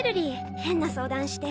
変な相談して。